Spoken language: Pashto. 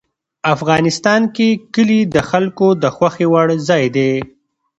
افغانستان کې کلي د خلکو د خوښې وړ ځای دی.